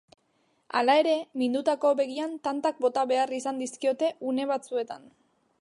Hala ere, mindutako begian tantak bota behar izan dizkiote une batzuetan.